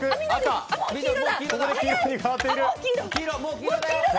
ここで黄色に変わっている。